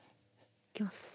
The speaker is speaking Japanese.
いきます。